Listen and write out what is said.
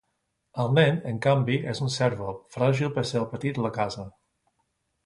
El nen, en canvi, és un cérvol, fràgil per ser el petit de la casa.